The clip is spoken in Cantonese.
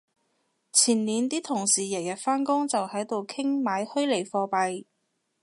前年啲同事日日返工就喺度傾買虛擬貨幣